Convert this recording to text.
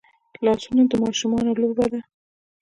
لاسونه د ماشوم لوبه ده